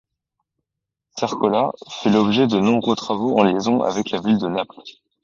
Cercola fait l'objet de nombreux travaux en liaison avec la ville de Naples.